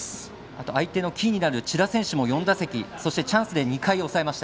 相手のキーになる千田選手も４打席チャンスで抑えました。